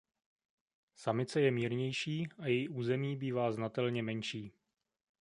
Samice je mírnější a její území bývá znatelně menší.